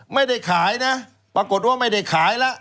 ไม่ได้ขายนะปรากฏว่าไม่ได้ขายแล้ว